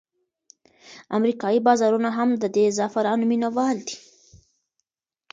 امریکایي بازارونه هم د دې زعفرانو مینوال دي.